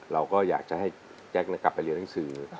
เราก็อยากจะให้แจ๊กกลับไปเรียนหนังสือ